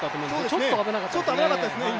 ちょっと危なかったですね。